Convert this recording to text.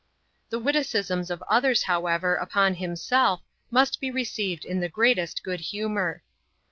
The witticisms of others, however, upon himself, must be received in the greatest good humour.